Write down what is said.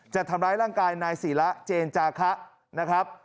จะทำร้ายร่างกายนายศิละเจนจาคะ